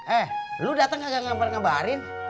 eh lu dateng gak ngabarin